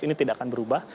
ini tidak akan berubah